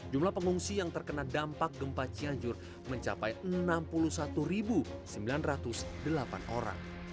jumlah pengungsi yang terkena dampak gempa cianjur mencapai enam puluh satu sembilan ratus delapan orang